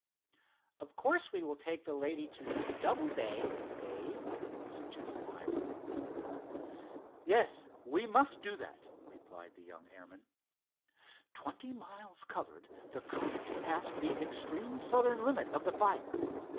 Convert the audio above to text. "Of course we will take the lady to Doubleday, Dave?" suggested Hiram. "Yes, we must do that," replied the young airman. Twenty miles covered, the Comet passed the extreme southern limit of the fire.